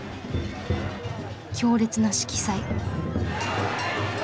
強烈な色彩。